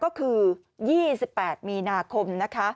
ก็คือ๒๘มีนาคม